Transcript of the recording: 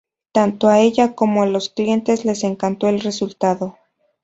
Tanto a ella como a los clientes les encantó el resultado.